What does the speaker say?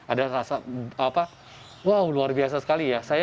ada rasa apa wow luar biasa sekali ya